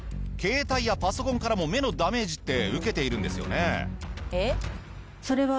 携帯やパソコンからも目のダメージって受けているんですよね？